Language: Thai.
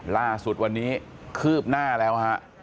ล่าสุดวันนี้คืบหน้าแล้วฮะ